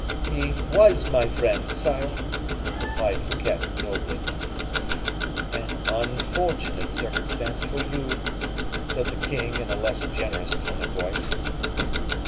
"He was my friend, sire," replied Fouquet, nobly. "An unfortunate circumstance for you," said the king, in a less generous tone of voice.